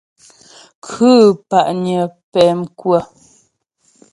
Khʉ̂ pa'nyə pɛmkwə.